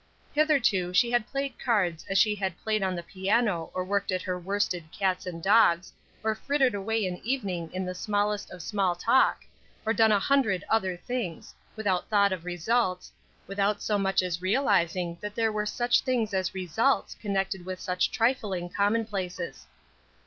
Hitherto she had played at cards as she had played on the piano or worked at her worsted cats and dogs, or frittered away an evening in the smallest of small talk, or done a hundred other things, without thought of results, without so much as realizing that there were such things as results connected with such trifling commonplaces.